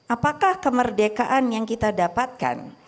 apakah kemerdekaan yang kita dapatkan